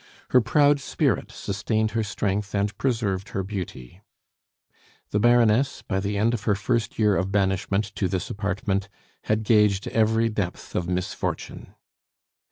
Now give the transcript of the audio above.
Her proud spirit sustained her strength and preserved her beauty. The Baroness, by the end of her first year of banishment to this apartment, had gauged every depth of misfortune.